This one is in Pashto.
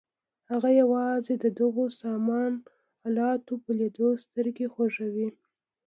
هغه یوازې د دغو سامان الاتو په لیدلو سترګې خوږوي.